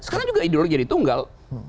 sekarang juga ideologi jadi tunggal